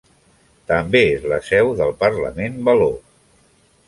També és la seu del Parlament való.